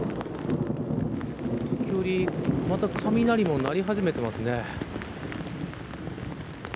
時折、雷も鳴り始めていますね。